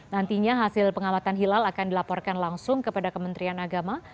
nantinya hasil pengamatan hilal akan dilaporkan langsung kepada kementerian agama